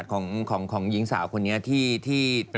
ติ๊กต๊อกติ๊กต๊อกที่เอามือ